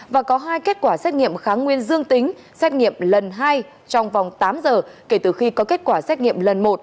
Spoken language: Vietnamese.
và có hai kết quả xét nghiệm kháng nguyên dương tính xét nghiệm lần hai trong vòng tám giờ kể từ khi có kết quả xét nghiệm lần một